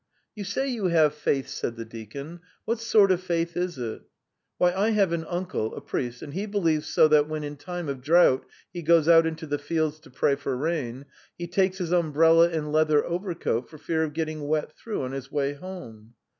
"You say you have faith," said the deacon. "What sort of faith is it? Why, I have an uncle, a priest, and he believes so that when in time of drought he goes out into the fields to pray for rain, he takes his umbrella and leather overcoat for fear of getting wet through on his way home.